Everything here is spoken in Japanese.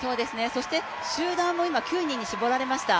そして、集団も今９人に絞られました。